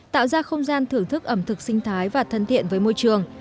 tạo ra không gian thưởng thức ẩm thực sinh thái và thân thiện với môi trường